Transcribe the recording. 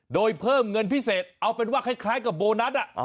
โดยเพิ่มเงินพิเศษเอาเป็นว่าคล้ายกับโบนัส